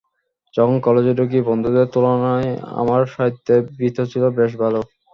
যখন কলেজে ঢুকি, বন্ধুদের তুলনায় আমার সাহিত্যের ভিত ছিল বেশ ভালো।